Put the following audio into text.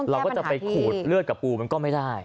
เราก็จะไปขูดเลือดกับปูมันก็ไม่ได้